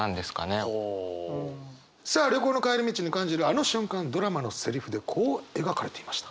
さあ旅行の帰り道に感じるあの瞬間ドラマのセリフでこう描かれていました。